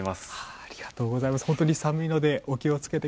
ありがとうございます。